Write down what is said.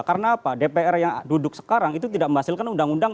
karena apa dpr yang duduk sekarang itu tidak memhasilkan undang undang